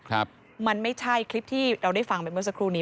ครับมันไม่ใช่คลิปที่เราได้ฟังไปเมื่อสักครู่นี้